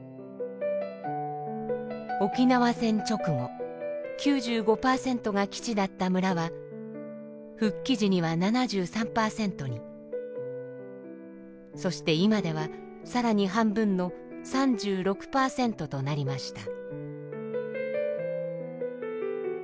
沖縄戦直後９５％が基地だった村は復帰時には７３％にそして今では更に半分の３６％となりました。